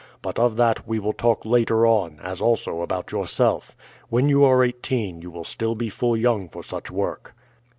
But of that we will talk later on, as also about yourself. When you are eighteen you will still be full young for such work."